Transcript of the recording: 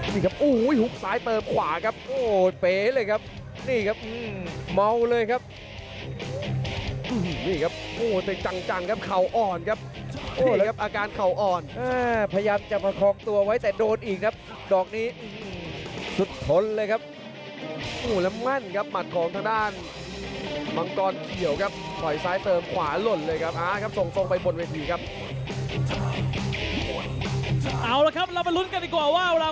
หุ้ยหุ้ยหุ้ยหุ้ยหุ้ยหุ้ยหุ้ยหุ้ยหุ้ยหุ้ยหุ้ยหุ้ยหุ้ยหุ้ยหุ้ยหุ้ยหุ้ยหุ้ยหุ้ยหุ้ยหุ้ยหุ้ยหุ้ยหุ้ยหุ้ยหุ้ยหุ้ยหุ้ยหุ้ยหุ้ยหุ้ยหุ้ยหุ้ยหุ้ยหุ้ยหุ้ยหุ้ยหุ้ยหุ้ยหุ้ยหุ้ยหุ้ยหุ้ยหุ้ยหุ้